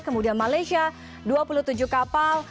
kemudian malaysia dua puluh tujuh kapal